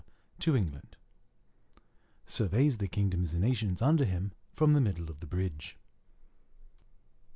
to England Surveys the kingdoms and nations under him from the middle of the bridge.